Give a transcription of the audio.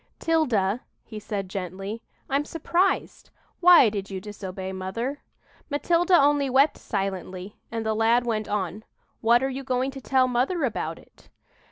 "'Tilda," he said gently, "I'm surprised. Why did you disobey mother?" Matilda only wept silently, and the lad went on, "What are you going to tell mother about it?"